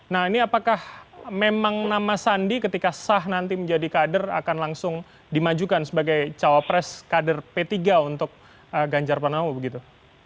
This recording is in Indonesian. nah ini apakah memang nama sandi ketika sah nanti menjadi kader akan langsung dimajukan sebagai cawapres kader p tiga untuk ganjar pranowo begitu